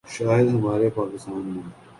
شاید ہمارے پاکستان میں